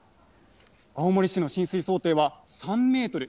青森市の浸水想定は３メートル。